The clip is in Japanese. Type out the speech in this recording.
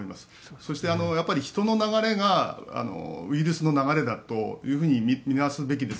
そして、人の流れがウイルスの流れだというふうに見なすべきです。